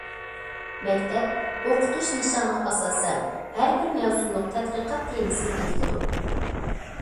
مەكتەپ ئوقۇتۇش نىشانىغا ئاساسەن، ھەر بىر مەۋسۇملۇق تەتقىقات تېمىسىنى بېكىتىدۇ.